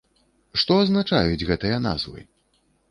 Што азначаюць гэтыя назвы?